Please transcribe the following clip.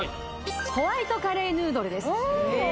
ホワイトカレーヌードルです